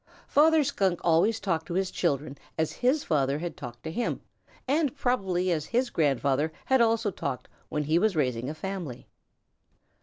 Father Skunk always talked to his children as his father had talked to him, and probably as his grandfather had also talked when he was raising a family.